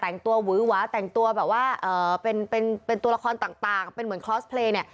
แต่งตัวหวือหวาแต่งตัวแบบว่าเป็นตัวละครต่างเป็นเหมือนคลอสเพลย์เนี่ย